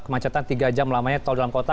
kemacetan tiga jam lamanya tol dalam kota